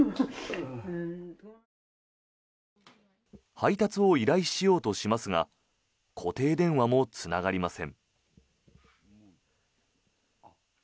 配達を依頼しようとしますが固定電話もつながりません。